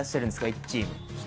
１チーム。